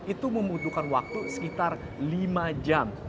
itu membutuhkan waktu sekitar lima jam